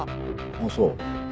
あっそう。